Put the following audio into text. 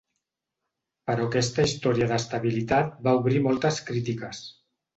Però aquesta història d'estabilitat va obrir moltes crítiques.